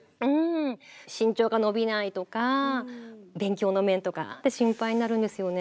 身長が伸びないとか勉強の面とか心配になるんですよね。